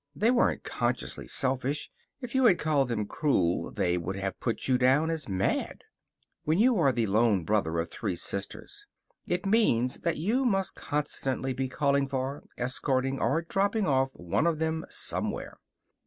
They weren't consciously selfish. If you had called them cruel they would have put you down as mad. When you are the lone brother of three sisters, it means that you must constantly be calling for, escorting, or dropping one of them somewhere.